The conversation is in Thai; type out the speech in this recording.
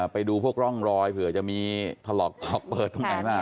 ไปดูพวกร่องรอยเผื่อจะมีถลอกเปิดตรงไหนมา